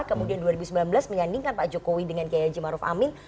kemudian dua ribu sembilan belas menyandingkan pak jokowi dengan kiai haji maruf amin